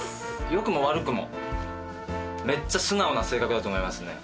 良くも悪くもメッチャ素直な性格だと思いますね